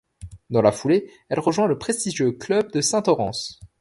Dans la foulée, elle rejoint le prestigieux club de Saint-Orens.